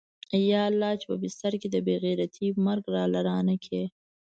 يا الله چې په بستر کې د بې غيرتۍ مرگ راله رانه کې.